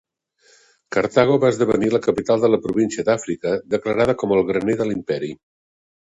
Cartago va esdevenir la capital de la Província d'Àfrica, declarada com el graner de l'imperi.